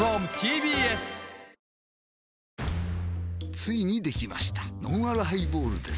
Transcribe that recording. ついにできましたのんあるハイボールです